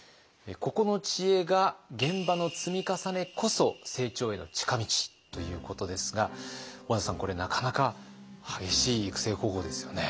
ここの知恵が「現場の積み重ねこそ成長への近道」ということですが小和田さんこれなかなか激しい育成方法ですよね。